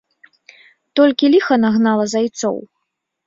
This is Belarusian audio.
Толькі ліха нагнала зайцоў.